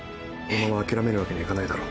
このまま諦めるわけにはいかないだろ。